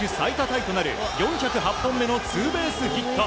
タイとなる４０８本目のツーベースヒット。